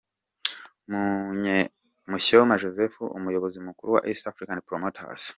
Mushyoma Joseph umuyobozi mukuru wa East African Promoters.